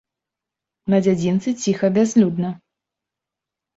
На дзядзінцы ціха, бязлюдна.